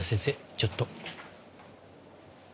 ちょっと。